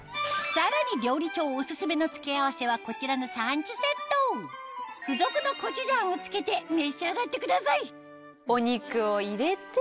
さらに料理長オススメの付け合わせはこちらのサンチュセット付属のコチュジャンを付けて召し上がってくださいお肉を入れて。